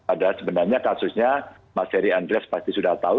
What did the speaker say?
padahal sebenarnya kasusnya mas heri andreas pasti sudah tahu